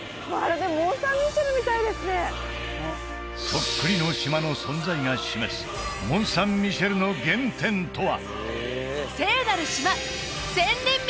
そっくりの島の存在が示すモン・サン・ミシェルの原点とは！？